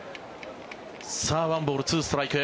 １ボール、２ストライク。